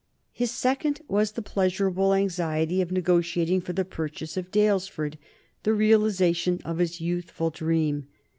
His second was the pleasurable anxiety of negotiating for the purchase of Daylesford, the realization of his youthful dream.